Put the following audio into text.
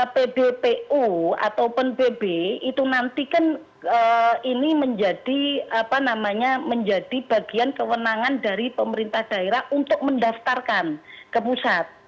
pdpu ataupun pb itu nanti kan ini menjadi bagian kewenangan dari pemerintah daerah untuk mendaftarkan ke pusat